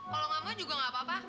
kalo gak mau juga gak apa apa